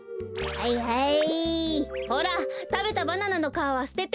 はいはい！